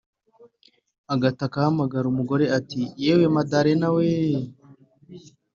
agataka ahamagara umugore, ati "yewe madalena we,